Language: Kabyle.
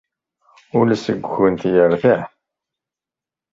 Ul seg-kent yertaḥ.